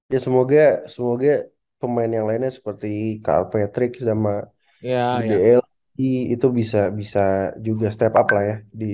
ya tapi ya semoga pemain yang lainnya seperti karl patrick sama gdl itu bisa juga step up lah ya